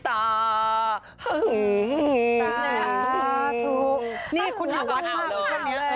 ต่างถูกถูกต่างนี่คุณอยู่ครั้งนี้เลย